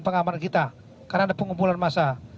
pengamanan kita karena ada pengumpulan masa